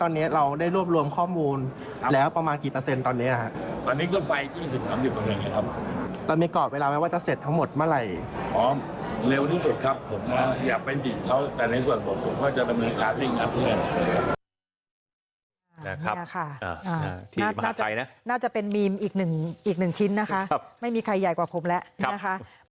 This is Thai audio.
นี่ค่ะน่าจะเป็นมีมอีกหนึ่งชิ้นนะคะไม่มีใครใหญ่กว่าผมแล้วนะคะ